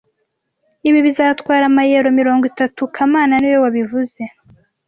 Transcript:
Ibi bizatwara amayero mirongo itatu kamana niwe wabivuze